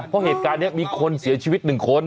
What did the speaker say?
เพราะเหตุการณ์นี้มีคนเสียชีวิต๑คน